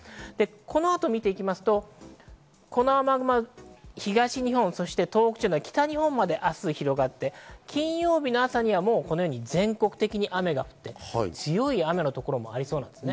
この後を見ていくとこの雨雲は東日本そして東北地方、北日本まで明日広がって金曜日の朝にはこのように全国的に雨が降って強い雨の所もありそうです。